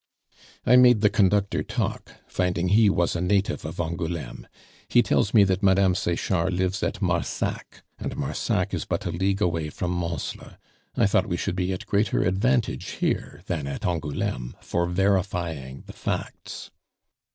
"I made the conductor talk, finding he was a native of Angouleme. He tells me that Madame Sechard lives at Marsac, and Marsac is but a league away from Mansle. I thought we should be at greater advantage here than at Angouleme for verifying the facts."